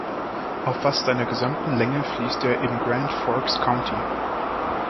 Auf fast seiner gesamten Länge fließt er im Grand Forks County.